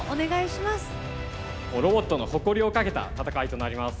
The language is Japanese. ロボットの誇りをかけた戦いとなります。